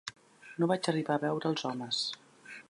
No vaig arribar a veure els homes